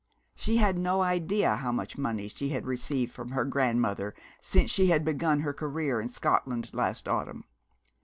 She had no idea how much money she had received from her grandmother since she had begun her career in Scotland last autumn.